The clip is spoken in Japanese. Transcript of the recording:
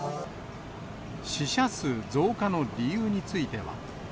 死者数増加の理由については。